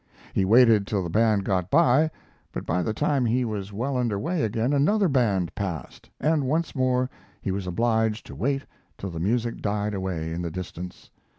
He waited till the band got by, but by the time he was well under way again another band passed, and once more he was obliged to wait till the music died away in the distance.